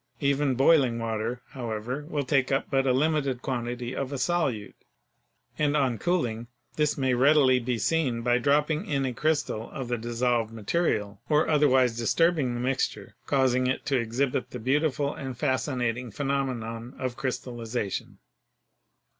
Even boiling water, how ever, will take up but a limited quantity of a solute, and on cooling this may readily be seen by dropping in a crystal of the dissolved material or otherwise disturbing HEAT 57 the mixture, causing it to exhibit the beautiful and fasci nating phenomenon of crystallization.